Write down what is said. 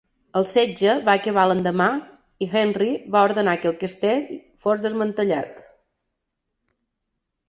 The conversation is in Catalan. El setge va acabar l'endemà i Henry va ordenar que el castell fos desmantellat.